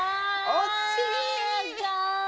おしい！